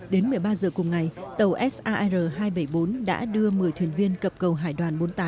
đến một mươi ba giờ cùng ngày tàu sar hai trăm bảy mươi bốn đã đưa một mươi thuyền viên cập cầu hải đoàn bốn mươi tám